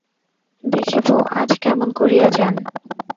দেখিব আজ কেমন করিয়া যান।